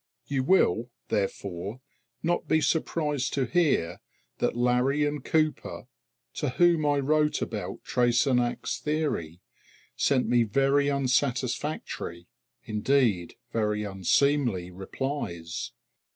You will, therefore, not be surprised to hear that Larrey and Cooper, to whom I wrote about Treysenac's theory, sent me very unsatisfactory, indeed very unseemly, replies.